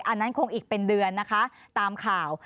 อันนั้นคงอีกเป็นเดือนนะคะตามข่าว